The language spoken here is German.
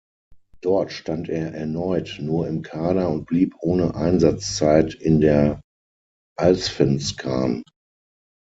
Dort stand er erneut nur im Kader und blieb ohne Einsatzzeit in der Allsvenskan.